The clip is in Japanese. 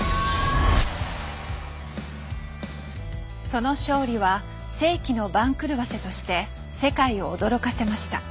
その勝利は世紀の番狂わせとして世界を驚かせました。